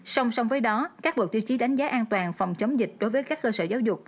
song song với đó các bộ tiêu chí đánh giá an toàn phòng chống dịch đối với các cơ sở giáo dục